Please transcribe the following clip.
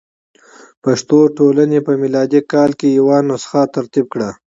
پښتو ټولنې په میلادي کال کې یوه نسخه ترتیب کړه.